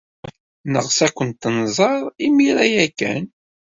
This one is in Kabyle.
Neɣs ad kent-nẓer imir-a ya kan.